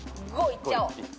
いっちゃおう。